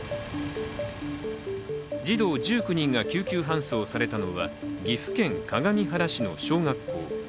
児童１９人が救急搬送されたのは岐阜県各務原市小学校。